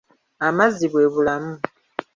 Amazzi bw'ebulamu.